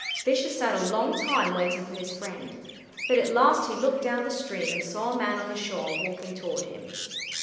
Fisher sat a long time waiting for his friend, but at last he looked down the stream and saw a man on the shore walking toward him.